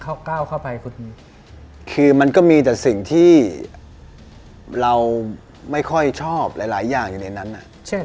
เขาก้าวเข้าไปคุณคือมันก็มีแต่สิ่งที่เราไม่ค่อยชอบหลายอย่างอยู่ในนั้น